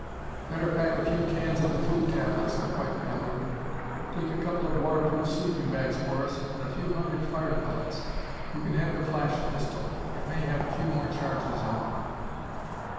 "Better pack a few cans of the food tablets," the white man ordered. "Take a couple of waterproof sleeping bags for us, and a few hundred fire pellets. You can have the flash pistol; it may have a few more charges in it."